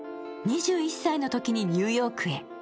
２１歳のときにニューヨークへ。